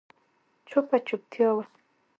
چوپه چوپتيا وه.